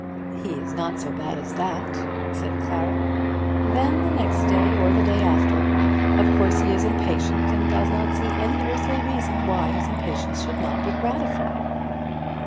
"He is not so bad as that," said Clara. "Then the next day, or the day after. Of course he is impatient, and does not see any earthly reason why his impatience should not be gratified."